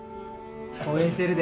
応援してるで。